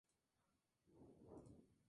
Pasó siete temporadas en esta formación.